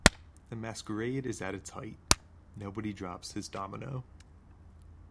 The masquerade is at its height. Nobody drops his domino.